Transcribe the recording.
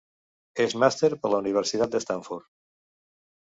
És màster per la Universitat de Stanford.